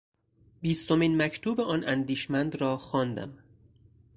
بیستمین مکتوب آن اندیشمند را خواندم.